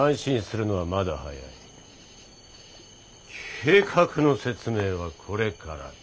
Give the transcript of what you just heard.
計画の説明はこれからだ。